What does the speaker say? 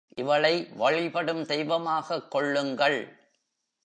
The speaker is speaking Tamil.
இவளை வழிபடும் தெய்வமாகக் கொள்ளுங்கள்.